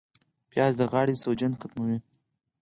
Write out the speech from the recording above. پیاز د غاړې سوجن ختموي